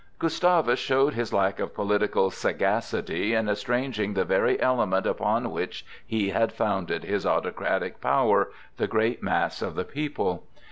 Gustavus showed his lack of political sagacity in estranging the very element upon which he had founded his autocratic power,—the great mass of the people.